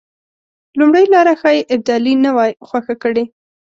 لومړۍ لاره ښایي ابدالي نه وای خوښه کړې.